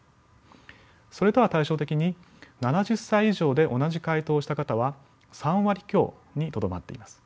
それとは対照的に７０歳以上で同じ回答をした方は３割強にとどまっています。